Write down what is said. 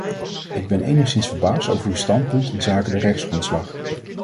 Ik ben enigszins verbaasd over uw standpunt inzake de rechtsgrondslag.